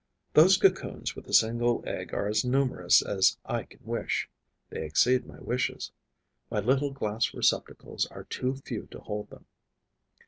Those cocoons with a single egg are as numerous as I can wish; they exceed my wishes: my little glass receptacles are too few to hold them.